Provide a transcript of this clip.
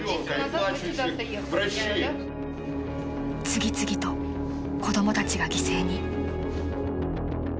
［次々と子供たちが犠牲に］